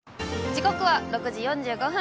時刻は６時４５分。